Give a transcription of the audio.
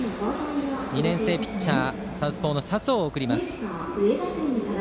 ２年生ピッチャーサウスポーの佐宗を送りました。